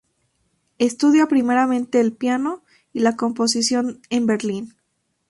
Estudia primeramente el piano y la composición en Berlín.